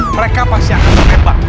mereka pasti akan terkebak